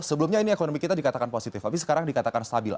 sebelumnya ini ekonomi kita dikatakan positif tapi sekarang dikatakan stabil